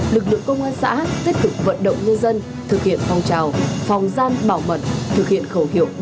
lực lượng công an xã tiếp tục vận động nhân dân thực hiện phong trào phòng gian bảo mật thực hiện khẩu hiệu ba